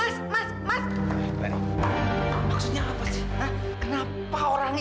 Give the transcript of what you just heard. saya akan jelaskan semuanya dari kab toleransi